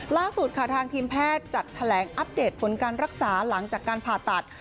ล่าสุดค่ะทางทีมแพทย์จัดแถลงอัปเดตผลการรักษาหลังจากการผ่าตัด